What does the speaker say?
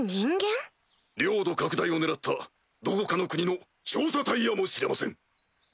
領土拡大を狙ったどこかの国の調査隊やもしれません。